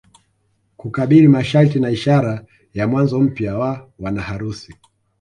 Kukabili masharti na ishara ya mwanzo mpya wa wanaharusi